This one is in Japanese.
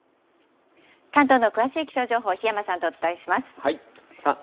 関東の詳しい気象情報、檜山さんとお伝えします。